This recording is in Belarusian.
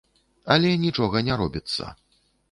Але нічога не робіцца.